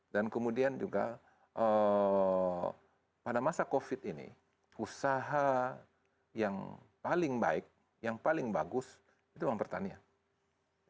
dan kemudian juga pada masa covid ini usaha yang paling baik yang paling bagus itu memang pertanian